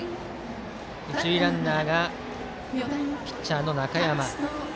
一塁ランナーがピッチャーの中山。